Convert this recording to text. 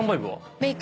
メイク